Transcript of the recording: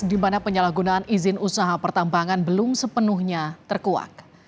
di mana penyalahgunaan izin usaha pertambangan belum sepenuhnya terkuak